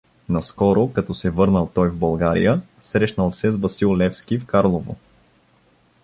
Наскоро, като се върнал той в България, срещнал се с В. Левски, в Карлово.